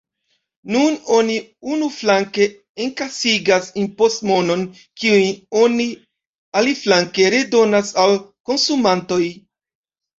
Nun oni unuflanke enkasigas impostmonon, kiun oni aliflanke redonas al konsumantoj.